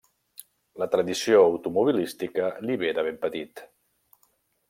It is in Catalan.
La tradició automobilística li ve de ben petit.